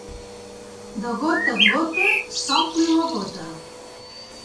De gota en gota s'ompli la bóta.